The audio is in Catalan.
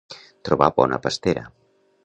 Trobar bona pastera.